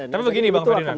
tapi begini bang fadina